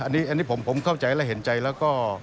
อันนี้ผมเข้าใจและเห็นใจแล้วก็